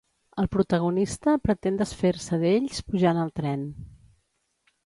El protagonista pretén desfer-se d'ells pujant al tren.